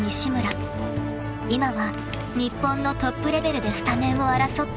［今は日本のトップレベルでスタメンを争っている］